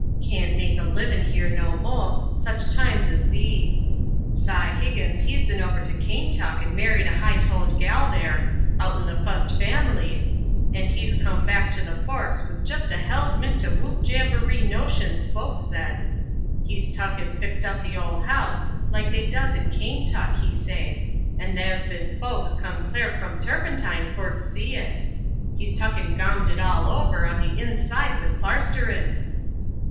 Cain't make a livin' here no mo', sich times as these. Si Higgins he's ben over to Kaintuck n' married a high toned gal thar, outen the fust families, an' he's come back to the Forks with jist a hell's mint o' whoop jamboree notions, folks says. He's tuck an' fixed up the ole house like they does in Kaintuck, he say, an' tha's ben folks come cler from Turpentine for to see it. He's tuck an gawmed it all over on the inside with plarsterin'."